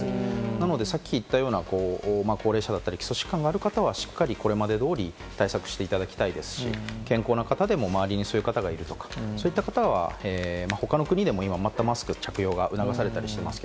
なのでさっき言ったような高齢者や基礎疾患がある方は、しっかりこれまで通り対策していただきたいですし、健康な方でも、周りにそういう方がいる方、他の国でもマスク着用が今、促されたりしています。